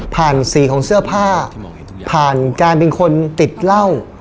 สีของเสื้อผ้าผ่านการเป็นคนติดเหล้า